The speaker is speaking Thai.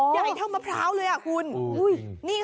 ใหญ่เท่ามะพร้าวเลยอ่ะคุณ